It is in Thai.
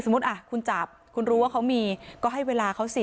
คุณจับคุณรู้ว่าเขามีก็ให้เวลาเขาสิ